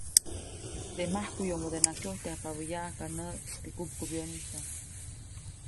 Teʼ majkuʼyomodenaʼk kyojtyajpabä yaʼajka näʼ teʼ kupkubyäʼnistaʼm.